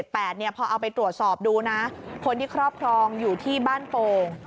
พอเอาไปตรวจสอบดูนะคนที่ครอบครองอยู่ที่บ้านโป่ง